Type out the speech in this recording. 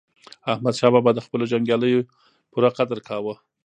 احمدشاه بابا د خپلو جنګیالیو پوره قدر کاوه.